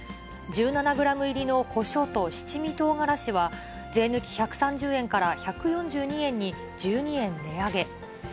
１７グラム入りのコショーと七味唐辛子は、税抜き１３０円から１４２円に１２円値上げ。